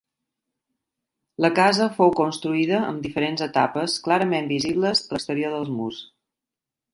La casa fou construïda amb diferents etapes clarament visibles a l'exterior dels murs.